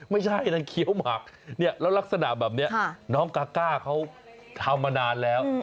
ไม่ใช่นางเคี้ยวหมากแล้วลักษณะแบบนี้น้องกาก้าเขาทำมานานแล้ว